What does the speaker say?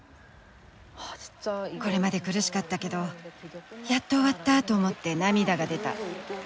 これまで苦しかったけど「やっと終わった」と思って涙が出た。